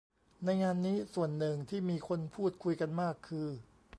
ในงานนี้ส่วนหนึ่งที่มีคนพูดคุยกันมากคือ